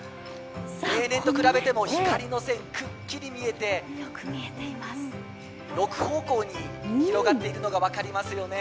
例年と比べても光の線くっきりと見えて６方向に広がっているのが分かりますよね。